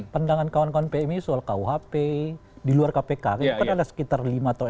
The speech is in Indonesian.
bukan pmi soal kuhp di luar kpk kan ada sekitar lima atau enam